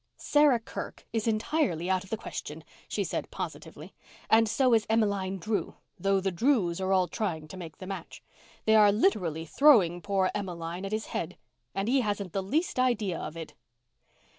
"Sarah Kirk is entirely out of the question," she said positively. "And so is Emmeline Drew—though the Drews are all trying to make the match. They are literally throwing poor Emmeline at his head, and he hasn't the least idea of it."